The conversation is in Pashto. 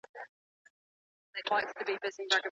ولي کوښښ کوونکی د با استعداده کس په پرتله ډېر مخکي ځي؟